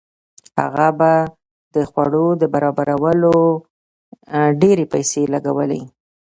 هغه به د خوړو په برابرولو ډېرې پیسې لګولې.